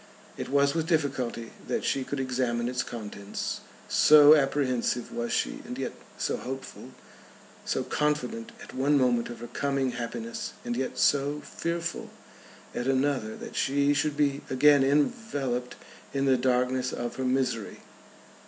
It was with difficulty that she could examine its contents, so apprehensive was she and yet so hopeful, so confident at one moment of her coming happiness, and yet so fearful at another that she should be again enveloped in the darkness of her misery.